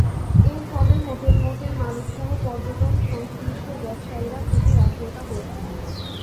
এর ফলে hotel motel মালিকসহ পর্যটন সংশ্লিষ্ট ব্যবসায়ীরা ক্ষতির আশঙ্কা করছেন।